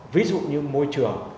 ví dụ như môi trường